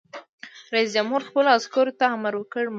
رئیس جمهور خپلو عسکرو ته امر وکړ؛ منډه!